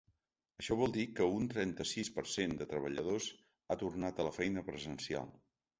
Això vol dir que un trenta-sis per cent de treballadors ha tornat a la feina presencial.